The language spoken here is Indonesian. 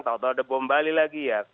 tau tau ada bom bali lagi ya